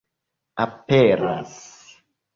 aperas